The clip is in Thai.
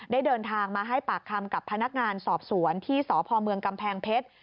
เดินทางมาให้ปากคำกับพนักงานสอบสวนที่สพเมืองกำแพงเพชร